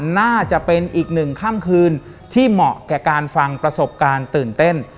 น่าจะเป็นอีกหนึ่งค่ำคืนที่เหมาะแก่การฟังประสบการณ์ตื่นเต้น